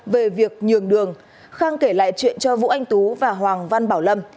về việc nhường đường khang kể lại chuyện cho vũ anh tú và hoàng văn bảo lâm